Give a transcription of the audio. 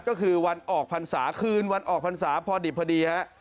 ก็คือวันออกพรรษาคืนวันออกพรรษาพอดิบพอดีฮะ